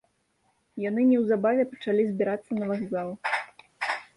Яны неўзабаве пачалі збірацца на вакзал.